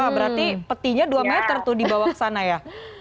berarti petinya dua meter tuh di bawah sana ya